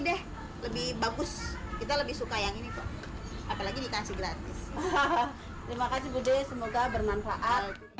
deh lebih bagus kita lebih suka yang ini kok apalagi dikasih gratis hahaha terima kasih